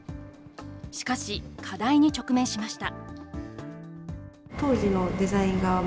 しかし、課題に直面しました。